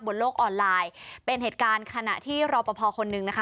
บนโลกออนไลน์เป็นเหตุการณ์ขณะที่รอปภคนหนึ่งนะคะ